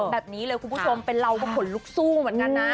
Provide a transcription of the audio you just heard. แบบนี้เลยคุณผู้ชมเป็นเราก็ขนลุกสู้เหมือนกันนะ